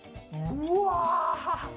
「うわ！